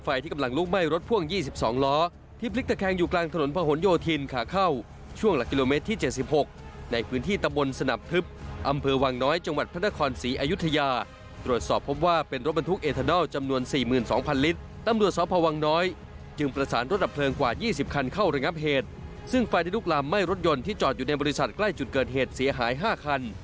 ฝ่ายดูกลามไหม้รถยนต์ที่จอดอยู่ในบริษัทใกล้จุดเกิดเหตุเสียหาย๕คัน